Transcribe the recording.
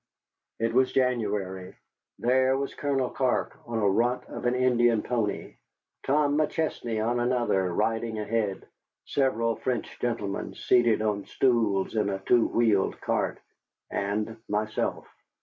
It was January. There was Colonel Clark on a runt of an Indian pony; Tom McChesney on another, riding ahead, several French gentlemen seated on stools in a two wheeled cart, and myself.